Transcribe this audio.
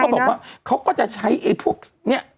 เขาก็บอกว่าเขาก็จะใช้ไอ้พวกเนี่ย